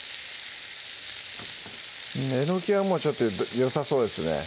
えのきはもうちょっとよさそうですね